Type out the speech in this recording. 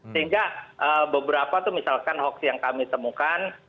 sehingga beberapa itu misalkan hoax yang kami temukan